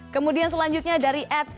kemudian selanjutnya dari ad